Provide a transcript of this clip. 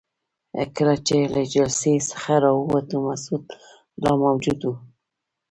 کله چې له جلسې څخه راووتو مسعود لا موجود وو.